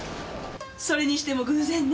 それにしても偶然ね。